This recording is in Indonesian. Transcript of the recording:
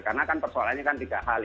karena kan persoalannya kan tiga hal